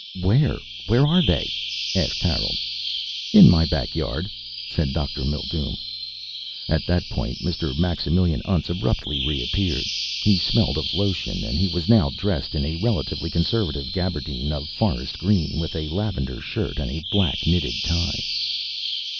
"Where where are they?" asked Harold. "In my back yard," said Dr. Mildume. At that point Mr. Maximilian Untz abruptly reappeared. He smelled of lotion and he was now dressed in a relatively conservative gabardine of forest green with a lavender shirt and a black knitted tie.